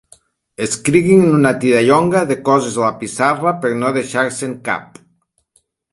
Escriguin una tirallonga de coses a la pissarra per no deixar-se'n cap.